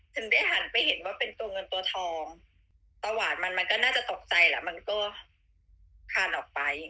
จนได้หันไปเห็นว่าเป็นตรงเงินตัวทอง